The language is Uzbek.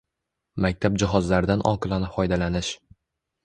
Maktab jihozlaridan oqilona foydalanish